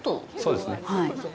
そうですね。